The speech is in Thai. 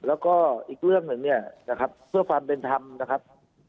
แล้วก็อีกเรื่องหนึ่งเนี่ยนะครับเพื่อความเป็นธรรมนะครับ